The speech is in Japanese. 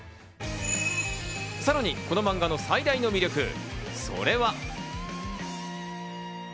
さらにこのマンガの最大の魅力、それは。